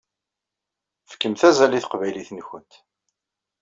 Fkemt azal i taqbaylit-nkent.